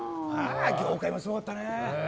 業界もすごかったね。